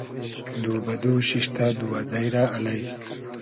دو بۂ دو شیشتۂ دووئدݷ رۂ الݷ